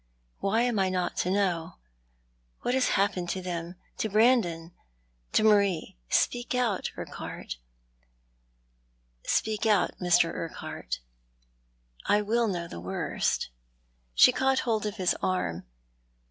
" Why am I not to know ? What has happened to them— to Brandon — to Marie ? Speak out, Mr. Urquhart. I will know the worst." She caught hold of his arm.